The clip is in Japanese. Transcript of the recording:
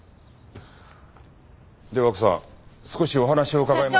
では奥さん少しお話を伺えますか。